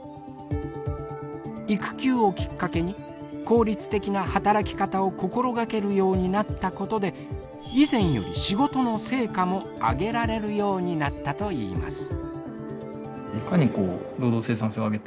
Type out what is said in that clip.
育休をきっかけに効率的な働き方を心がけるようになったことで以前より仕事の成果もあげられるようになったといいます。